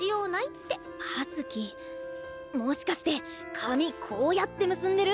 もしかして髪こうやって結んでる？